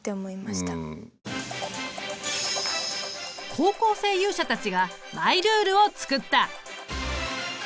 高校生勇者たちがマイルールを作った。